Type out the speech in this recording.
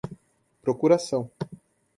procuração